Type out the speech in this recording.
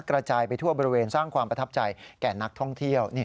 กระจายไปทั่วบริเวณสร้างความประทับใจแก่นักท่องเที่ยว